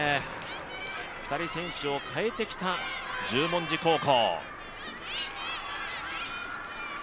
２人選手を代えてきた十文字高校。